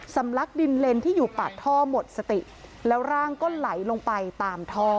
ลักดินเลนที่อยู่ปากท่อหมดสติแล้วร่างก็ไหลลงไปตามท่อ